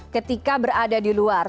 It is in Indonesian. ketika berada di luar